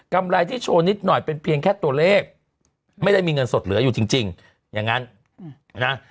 ไรที่โชว์นิดหน่อยเป็นเพียงแค่ตัวเลขไม่ได้มีเงินสดเหลืออยู่จริงอย่างนั้นนะ